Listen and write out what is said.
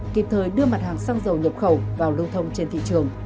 kịp thời đưa mặt hàng xăng dầu nhập khẩu vào lưu thông trên thị trường